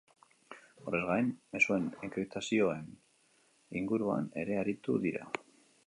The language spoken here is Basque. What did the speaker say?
Horrez gain, mezuen enkriptazioen inguruan ere aritu dira.